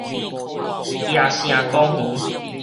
椰城公園